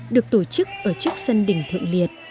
được tổ chức ở trước sân đỉnh thượng liệt